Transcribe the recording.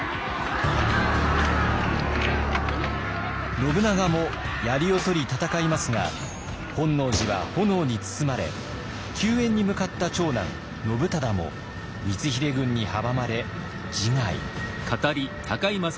信長もやりを取り戦いますが本能寺は炎に包まれ救援に向かった長男信忠も光秀軍に阻まれ自害。